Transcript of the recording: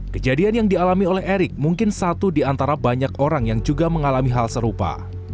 kejadian yang dialami oleh erick mungkin satu di antara banyak orang yang juga mengalami hal serupa